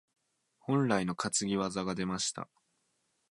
本来の担ぎ技が出ました。